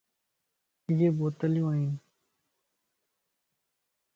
ائي بوتليون ائين.